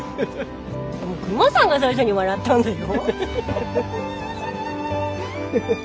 クマさんが最初に笑ったんだよ。